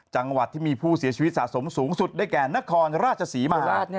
จังหวัดที่มีผู้เสียชีวิตสะสมสูงสุดได้แก่นครราชศรีมา